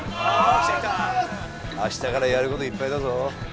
あしたからやることいっぱいだぞ。